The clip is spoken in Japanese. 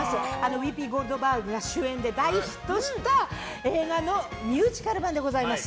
ウーピー・ゴールドバーグが主演で大ヒットした映画のミュージカル版でございます。